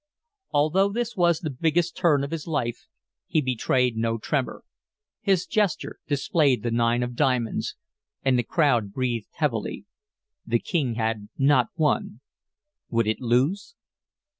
Although this was the biggest turn of his life, he betrayed no tremor. His gesture displayed the nine of diamonds, and the crowd breathed heavily. The king had not won. Would it lose?